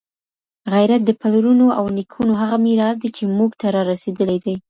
غیرت د پلرونو او نیکونو هغه میراث دی چي موږ ته رارسېدلی دی.